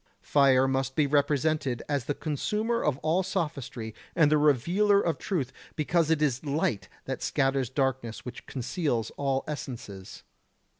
Fire must be represented as the consumer of all sophistry and the revealer of truth, because it is light and scatters darkness which conceals all essences.